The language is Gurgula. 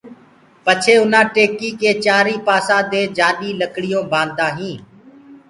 پڇي اُنآ ٽيڪيٚ ڪي چآرئي پآسي دي جآڏي لڪڙيونٚ باندآ هينٚ